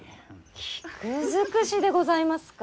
菊尽くしでございますか？